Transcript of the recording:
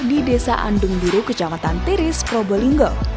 di desa andung biru kecamatan tiris probolinggo